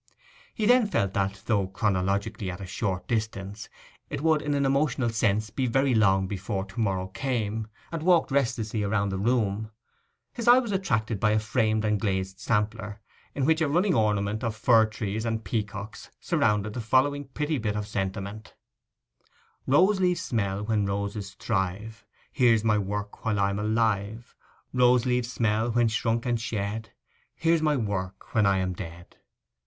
He then felt that, though chronologically at a short distance, it would in an emotional sense be very long before to morrow came, and walked restlessly round the room. His eye was attracted by a framed and glazed sampler in which a running ornament of fir trees and peacocks surrounded the following pretty bit of sentiment: 'Rose leaves smell when roses thrive, Here's my work while I'm alive; Rose leaves smell when shrunk and shed, Here's my work when I am dead.